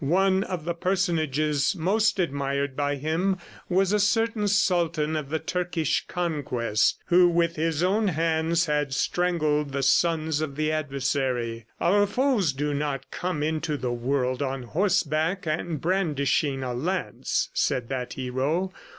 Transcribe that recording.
One of the personages most admired by him was a certain Sultan of the Turkish conquest who, with his own hands, had strangled the sons of the adversary. "Our foes do not come into the world on horseback and brandishing the lance," said that hero.